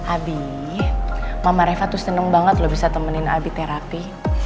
abi mama reva tuh seneng banget lo bisa temenin abi terapi